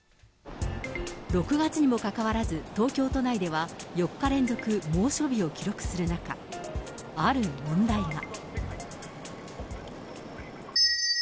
６月にもかかわらず、東京都内では４日連続猛暑日を記録する中、ある問題が。